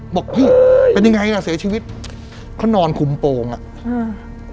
บอกพี่เป็นยังไงล่ะเสียชีวิตเขานอนคุมโปรงอ่ะอืม